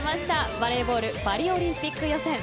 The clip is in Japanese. バレーボールパリオリンピック予選。